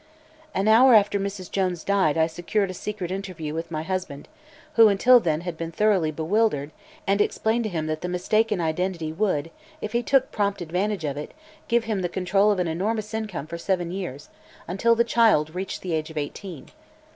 "An hour after Mrs. Jones died I secured a secret interview with my husband, who until then had been thoroughly bewildered, and explained to him that the mistake in identity would, if he took prompt advantage of it, give him the control of an enormous income for seven years until the child reached the age of eighteen.